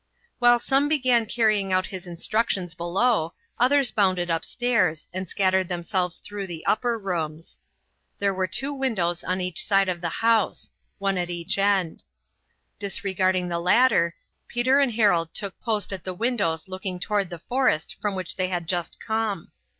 While some began carrying out his instructions below, others bounded upstairs and scattered themselves through the upper rooms. There were two windows on each side of the house one at each end. Disregarding the latter, Peter and Harold took post at the windows looking toward the forest from which they had just come.